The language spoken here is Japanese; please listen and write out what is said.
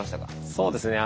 そうですね。